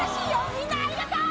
みんなありがとう！